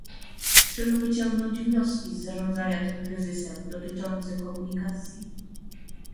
Trzeba wyciągnąć wnioski z zarządzania tym kryzysem dotyczące komunikacji